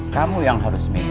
kamu yang harus minum